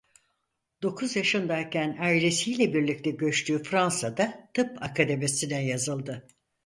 Dokuz yaşındayken ailesiyle birlikte göçtüğü Fransa'da Tıp Akademisi'ne yazıldı.